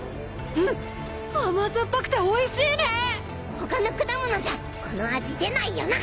他の果物じゃこの味出ないよな。